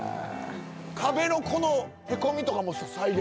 壁のこのへこみとかも再現？